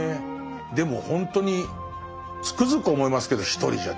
でもほんとにつくづく思いますけど一人じゃできないですもんね